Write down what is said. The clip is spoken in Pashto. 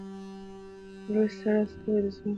لوی سره ستوری د ځمکې ژوند ختموي.